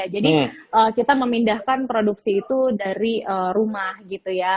jadi kita memindahkan produksi itu dari rumah gitu ya